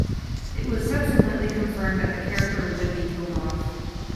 It was subsequently confirmed that the character would be killed off.